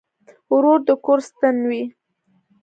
ورور د کور ستن وي.